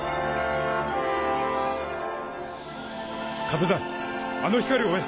風だあの光を追え！